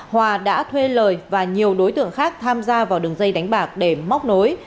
hòa đã thuê lời và nhiều đối tượng khác tham gia vào đường dây đánh bạc để móc nối